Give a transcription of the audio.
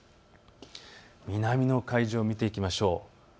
南の海上を見ていきましょう。